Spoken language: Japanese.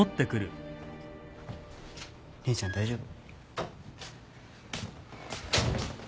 姉ちゃん大丈夫？